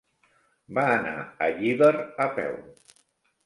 Va anar a Llíber a peu.